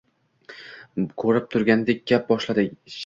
Ko`rib turgandek gap boshladi Shakarbek aka